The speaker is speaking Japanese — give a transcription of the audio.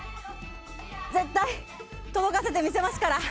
絶対届かせてみせますから！